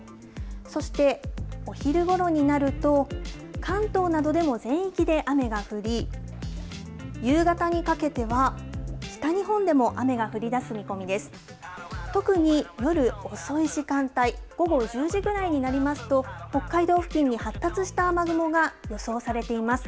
そしてお昼ごろになると、関東などでも全域で雨が降り、夕方にかけては、北日本でも雨が降りだす見込みです。